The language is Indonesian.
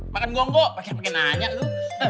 makan gonggok pas yang pengen nanya lu